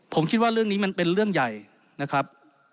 ผมคิดว่าเรื่องนี้มันเป็นเรื่องใหญ่นะครับ